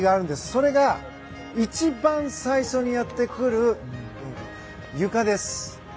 それが一番最初にやってくるゆかです。